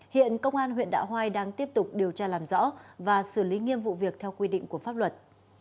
hiện công an huyện đạo hoai đang tiếp tục điều tra làm rõ và xử lý nghiêm vụ việc theo quy định của pháp luật